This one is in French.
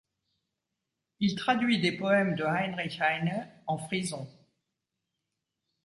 Il traduit des poèmes de Heinrich Heine en frison.